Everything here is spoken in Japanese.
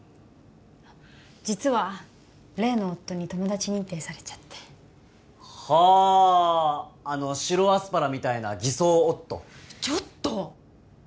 実は例の夫に友達認定されちゃってはあの白アスパラみたいな偽装夫ちょっと！